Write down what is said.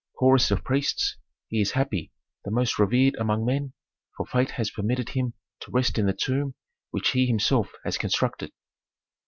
Chorus of priests. "He is happy, the most revered among men, for fate has permitted him to rest in the tomb which he himself has constructed."